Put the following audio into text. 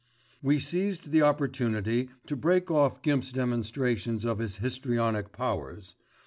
We seized the opportunity to break off Gimp's demonstrations of his histrionic powers.